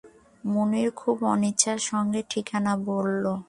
মুনির খুব অনিচ্ছার সঙ্গে ঠিকানা বলল।